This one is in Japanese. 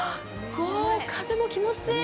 風も気持ちいい。